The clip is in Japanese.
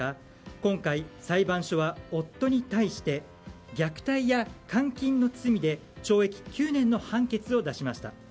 今回、裁判所は夫に対して虐待や監禁の罪で懲役９年の判決を出しました。